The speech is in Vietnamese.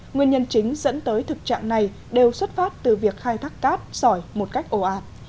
nguyên nhân chính dẫn tới thực trạng này đều xuất phát từ việc khai thác cát sỏi một cách ồ ạt